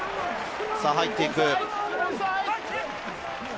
入っていく。